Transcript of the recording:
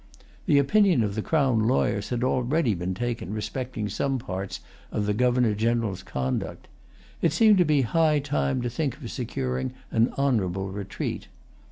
The opinion of the crown lawyers had already been taken respecting some parts of the Governor General's conduct. It seemed to be high time to think of securing an honorable retreat.